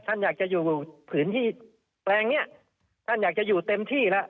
ท่านอยากจะอยู่พื้นที่แปลงเนี้ยท่านอยากจะอยู่เต็มที่แล้ว